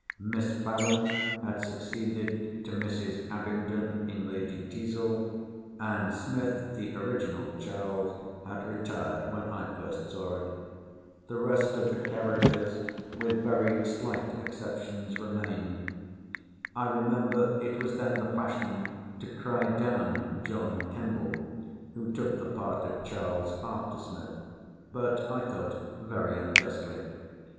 Miss Farren had succeeded to Mrs. Abingdon in Lady Teazle; and Smith, the original Charles, had retired, when I first saw it. The rest of the characters, with very slight exceptions, remained. I remember it was then the fashion to cry down John Kemble, who took the part of Charles after Smith; but, I thought, very unjustly.